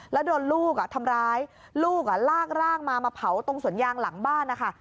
แล้วโดนลูกทำร้ายลูกลากร่างมามาเผาตรงสวนยางหลังบ้านนะคะ